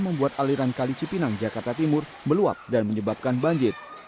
membuat aliran kali cipinang jakarta timur meluap dan menyebabkan banjir